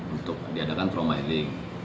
untuk diadakan trauma healing